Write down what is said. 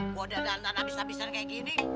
buat dandan dandan abis abisan kayak gini